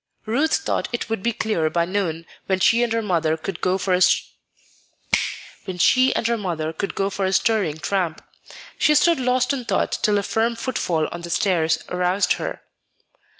Ruth thought it would be clear by noon, when she and her mother could go for a stirring tramp. She stood lost in thought till a firm footfall on the stairs aroused her.